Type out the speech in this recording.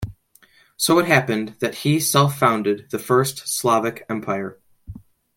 So it happened that he self-founded the first Slavic empire.